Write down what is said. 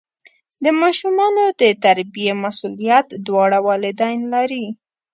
د ماشومانو د تربیې مسؤلیت دواړه والدین لري.